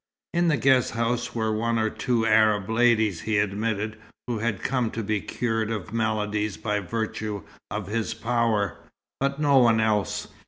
In the guest house were one or two Arab ladies, he admitted, who had come to be cured of maladies by virtue of his power; but no one else.